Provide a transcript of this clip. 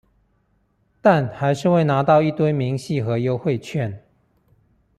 但還是會拿到一堆明細和優惠券